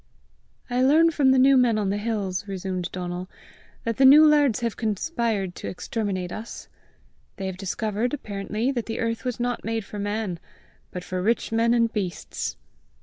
"I learn from the new men on the hills," resumed Donal, "that the new lairds have conspired to exterminate us. They have discovered, apparently, that the earth was not made for man, but for rich men and beasts!"